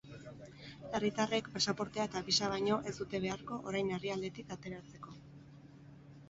Herritarrek pasaportea eta bisa baino ez dute beharko orain herrialdetik ateratzeko.